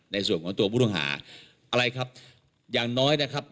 ในส่วนของตัวผู้ต้องหาอะไรครับอย่างน้อยนะครับ